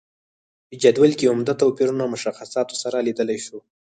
په جدول کې عمده توپیرونه مشخصاتو سره لیدلای شو.